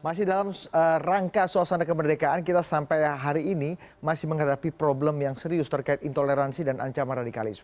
masih dalam rangka suasana kemerdekaan kita sampai hari ini masih menghadapi problem yang serius terkait intoleransi dan ancaman radikalisme